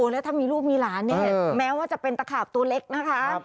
แล้วถ้ามีลูกมีหลานเนี่ยแม้ว่าจะเป็นตะขาบตัวเล็กนะคะ